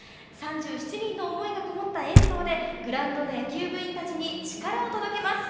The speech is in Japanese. ３７人の思いがこもった演奏でグラウンドの野球部員たちに力を届けます。